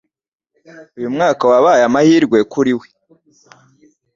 Uyu mwaka wabaye amahirwe kuri we.